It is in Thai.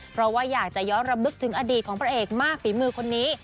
เพราะว่าอยากจะย้อนรำลึกถึงอดีตของพระเอกมากฝีมือคนนี้